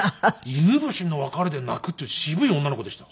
犬伏の別れで泣くっていう渋い女の子でした。